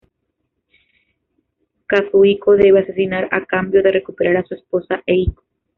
Kazuhiko debe asesinar a cambio de recuperar a su esposa Eiko.